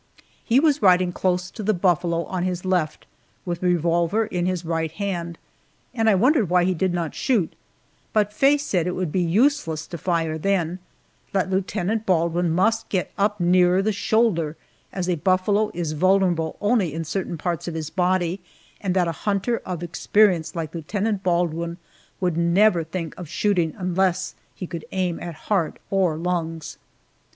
He was riding close to the buffalo on his left, with revolver in his right hand, and I wondered why he did not shoot, but Faye said it would be useless to fire then that Lieutenant Baldwin must get up nearer the shoulder, as a buffalo is vulnerable only in certain parts of his body, and that a hunter of experience like Lieutenant Baldwin would never think of shooting unless he could aim at heart or lungs.